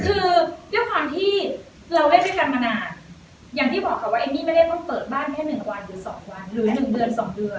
คือเพราะความที่เราเล่นด้วยกันมานานอย่างที่บอกค่ะว่าเอ็มมี่ไม่ได้ต้องเปิดบ้านให้หนึ่งวันหรือสองวันหรือหนึ่งเดือนสองเดือน